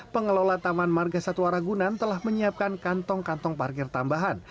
pengelola taman marga satwa ragunan telah menyiapkan kantong kantong parkir tambahan